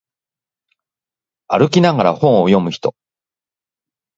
歩きながら本を読む人